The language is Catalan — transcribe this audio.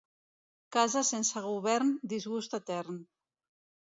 Casa sense govern, disgust etern.